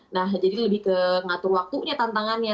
nah jadi lebih ke ngatur waktunya tantangannya